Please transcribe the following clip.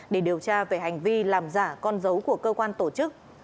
để điều tra về hành vi làm giả con dấu của cơ quan tổ chức